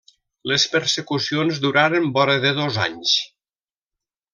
Les persecucions duraren vora de dos anys.